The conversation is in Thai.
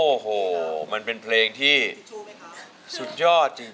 โอ้โหมันเป็นเพลงที่สุดยอดจริง